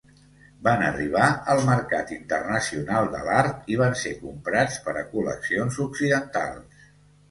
Van arribar al mercat internacional de l'art i van ser comprats per a col·leccions occidentals.